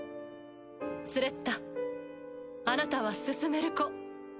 スレッタあなたは進める子。